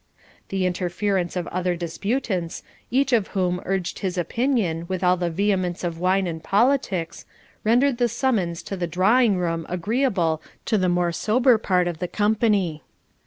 The interference of other disputants, each of whom urged his opinion with all the vehemence of wine and politics, rendered the summons to the drawing room agreeable to the more sober part of the company.